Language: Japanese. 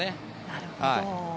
なるほど。